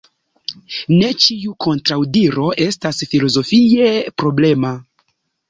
Ne ĉiu kontraŭdiro estas filozofie problema.